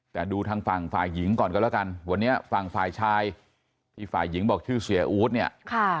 แต่ดูทางฝั่งฝ่ายหญิงก่อนกันแล้วกันวันนี้ฝั่งฝ่ายชายที่ฝ่ายหญิงบอกชื่อเสียอู๊ดเนี่ย